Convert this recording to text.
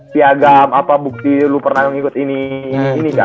si agama apa bukti lo pernah ngikut ini ini kan